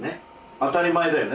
当たり前だよね